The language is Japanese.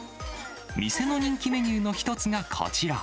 店の人気メニューの一つがこちら。